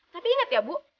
tapi inget ya bu